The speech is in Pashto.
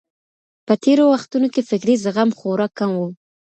په تېرو وختونو کي فکري زغم خورا کم وو.